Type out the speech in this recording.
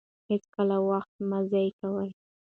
هېڅکله وخت مه ضایع کوئ.